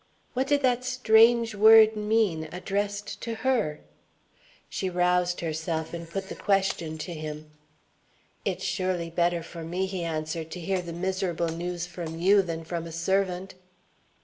What did that strange word mean, addressed to her? She roused herself, and put the question to him. "It's surely better for me," he answered, "to hear the miserable news from you than from a servant."